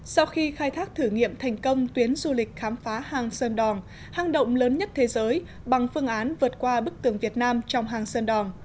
sau khi khai thác thử nghiệm thành công tuyến du lịch khám phá hàng sơn đòn hang động lớn nhất thế giới bằng phương án vượt qua bức tường việt nam trong hàng sơn đòn